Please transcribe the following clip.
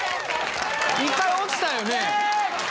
１回落ちたよね？